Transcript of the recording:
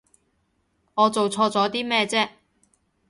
我做錯咗啲咩啫？